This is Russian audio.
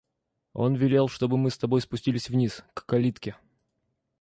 Он велел, чтобы мы с тобой спустились вниз, к калитке.